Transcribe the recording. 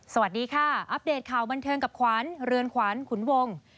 สวัสดีค่ะอัปเดตข่าวบันเทิงกับขวัญเรือนขวัญขุนวง